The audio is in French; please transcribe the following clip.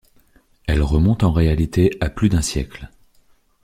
Elle remonte en réalité à plus d'un siècle.